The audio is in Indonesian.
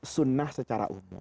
sunnah secara umum